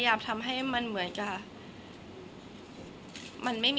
คนเราถ้าใช้ชีวิตมาจนถึงอายุขนาดนี้แล้วค่ะ